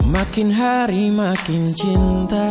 makin hari makin cinta